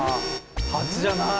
蜂じゃない？